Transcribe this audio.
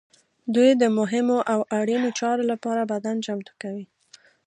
دوی د مهمو او اړینو چارو لپاره بدن چمتو کوي.